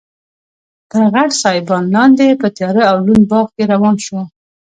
تر غټ سایبان لاندې په تیاره او لوند باغ کې روان شوو.